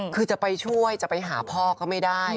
คือจะไปช่วยจะไปหาพ่อก็ไม่ได้